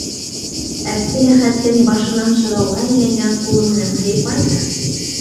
Әптеләхәттең башынан шырауға әйләнгән ҡулы менән һыйпай ҙа: